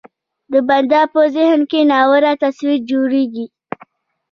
د بنده په ذهن کې ناوړه تصویر جوړېږي.